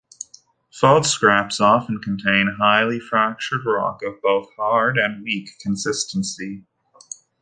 Fault scarps often contain highly fractured rock of both hard and weak consistency.